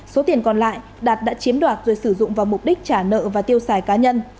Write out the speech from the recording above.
số tiền còn lại đạt đã chiếm đoạt rồi sử dụng vào mục đích trả nợ và tiêu xài cá nhân